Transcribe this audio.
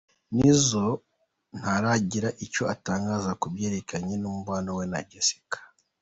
Nizzo ntaragira icyo atangaza ku byerekeye umubano we na Jessica.